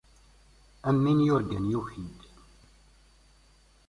Am win yurgan, yuki-d.